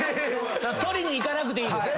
取りに行かなくていいです。